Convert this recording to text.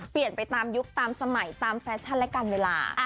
เปลี่ยนไปตามยุคตามสมัยตามแฟชั่นและการเวลา